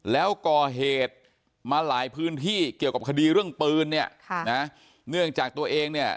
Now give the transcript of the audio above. แล้วก่อเหตุมาหลายพื้นที่เกี่ยวกับคดีเรื่องปืนเนี่ยค่ะนะเนื่องจากตัวเองเนี่ย